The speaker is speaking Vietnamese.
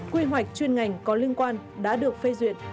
quy hoạch chuyên ngành có liên quan đã được phê duyệt